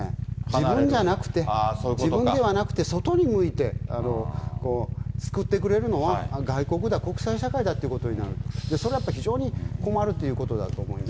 自分じゃなくて、自分ではなくて外に向いて、救ってくれるのは外国だ、国際社会だということになると、それはやっぱり非常に困るってことだと思います。